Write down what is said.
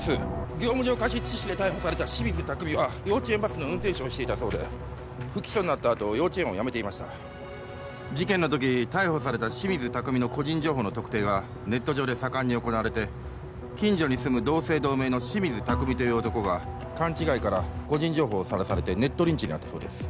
業務上過失致死で逮捕された清水拓海は幼稚園バスの運転手をしていたそうで不起訴になったあと幼稚園を辞めていました事件の時逮捕された清水拓海の個人情報の特定がネット上で盛んに行われて近所に住む同姓同名の清水拓海という男が勘違いから個人情報をさらされてネットリンチに遭ったそうです